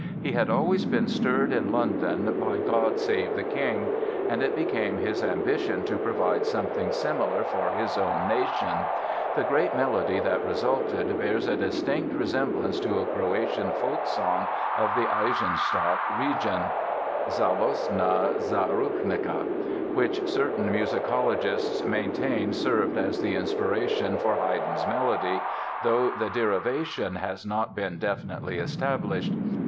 He had always been stirred in London by "God Save the King" and it became his ambition to provide something similar for his own nation. The great melody that resulted bears a distinct resemblance to a Croatian folksong of the Eisenstadt region, "Zalostna zarucnica", which certain musicologists maintain served as the inspiration for Haydn's melody, though the derivation has not been definitely established.